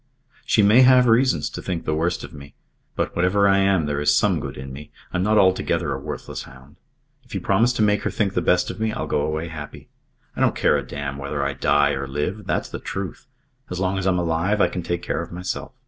"She may have reasons to think the worst of me. But whatever I am there is some good in me. I'm not altogether a worthless hound. If you promise to make her think the best of me, I'll go away happy. I don't care a damn whether I die or live. That's the truth. As long as I'm alive I can take care of myself.